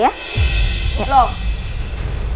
yaudah masuk ke mobil aja ya